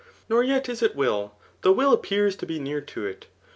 Nor yet is it will, though will appears to be near to it.